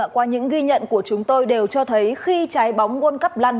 qua những ghi nhận của chúng tôi đều cho thấy khi trái bóng nguồn cấp lăn